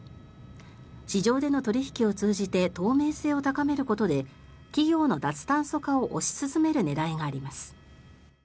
市場での取引を通じて透明性を高めることで企業の脱炭素化を推し進める狙いがあります。